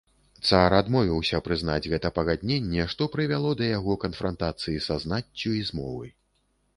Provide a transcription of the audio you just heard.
Цар адмовіўся прызнаць гэта пагадненне, што прывяло да яго канфрантацыі са знаццю і змовы.